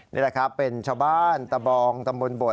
นี่แหละครับเป็นชาวบ้านตะบองตำบลโบด